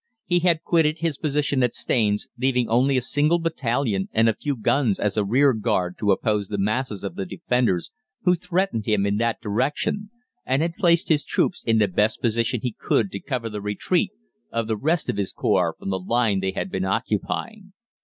He had quitted his position at Staines, leaving only a single battalion and a few guns as a rearguard to oppose the masses of the 'Defenders' who threatened him in that direction, and had placed his troops in the best position he could to cover the retreat of the rest of his corps from the line they had been occupying.